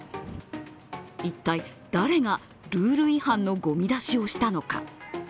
一体、誰がルール違反のごみ出しをしたのか。